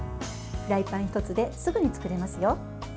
フライパン１つですぐに作れますよ。